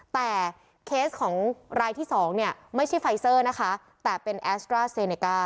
แต่เคสของรายที่๒เนี่ยไม่ใช่ไฟเซอร์นะคะแต่เป็นแอสตราเซเนก้า